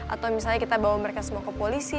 atau misalnya kita bawa mereka semua ke polisi